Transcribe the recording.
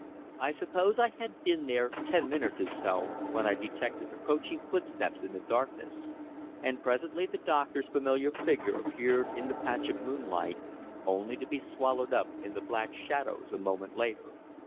I suppose I had been there ten minutes or so when I detected approaching footsteps in the darkness, and presently the doctor's familiar figure appeared in the patch of moonlight, only to be swallowed up in the black shadows a moment later.